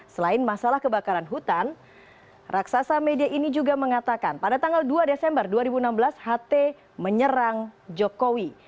selain masalah kebakaran hutan raksasa media ini juga mengatakan pada tanggal dua desember dua ribu enam belas ht menyerang jokowi